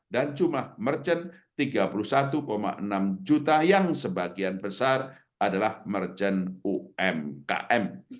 dan jumlah merchant rp tiga puluh satu enam juta yang sebagian besar adalah merchant umkm